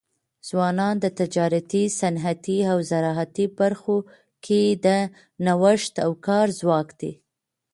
ځوانان د تجارتي، صنعتي او زراعتي برخو کي د نوښت او کار ځواک دی.